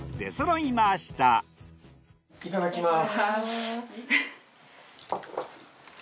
いただきます。